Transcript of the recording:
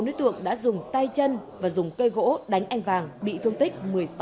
bốn đối tượng đã dùng tay chân và dùng cây gỗ đánh anh vàng bị thương tích một mươi sáu